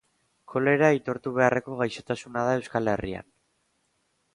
Kolera aitortu beharreko gaixotasuna da Euskal Herrian.